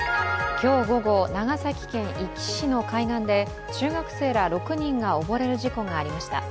今日午後、長崎県壱岐市の海岸で中学生ら６人が溺れる事故がありました。